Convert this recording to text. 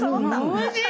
おいしい！